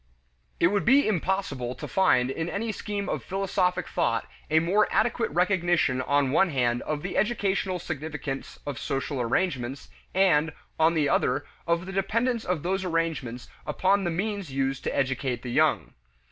It would be impossible to find in any scheme of philosophic thought a more adequate recognition on one hand of the educational significance of social arrangements and, on the other, of the dependence of those arrangements upon the means used to educate the young.